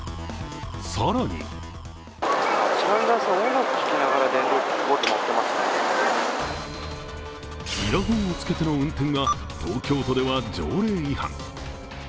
更にイヤホンを着けての運転は東京都では条例違反。